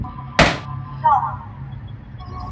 انسان کله بریالی احساس کوي؟